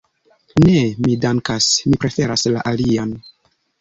Ne, mi dankas, mi preferas la alian.